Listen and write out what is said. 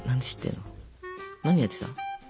何やってたの？